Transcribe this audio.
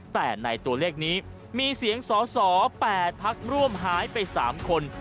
แต่ในตัวเลขนี้มีเสียงสอสอ๘พักร่วมหายไป๓คน